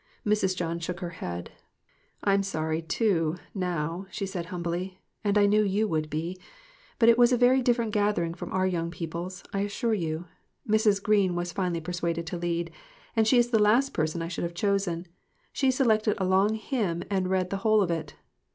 Mrs. John shook her head. "I'm sorry, too, now," she said, humbly; "and I knew you would be, but it was a very different gathering from our young people's, I assure you. Mrs. Green was finally persuaded to lead; she is the last person I should have chosen. She selected a long hymn and read the whole of it.